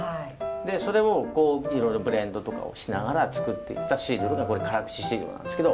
それをブレンドとかをしながら作っていったシードルがこれ辛口シードルなんですけど。